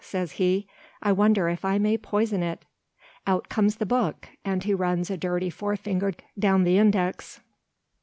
says he. "I wonder if I may poison it?" Out comes the book, and he runs a dirty forefinger down the index.